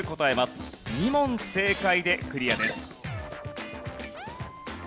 ２問正解でクリアです。